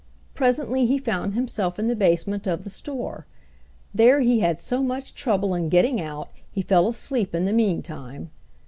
Presently he found himself in the basement of the store; there he had so much trouble in getting out he fell asleep in the meantime.